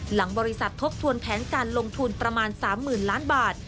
หลังบริษัททบทวนแผนการลงทุนประมาณ๓๐๐๐ล้านบาท